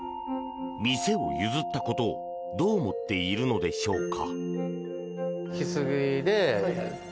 店を譲ったことをどう思っているのでしょうか？